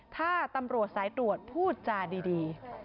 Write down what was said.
ถ้าตำรวจสายตรวจพูดจาดี